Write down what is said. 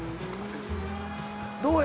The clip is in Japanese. どうや？